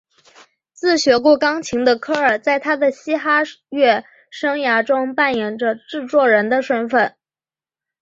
自学过钢琴的科尔在他的嘻哈乐生涯中扮演着制作人的身份。